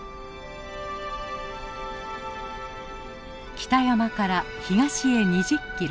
北山から東へ２０キロ。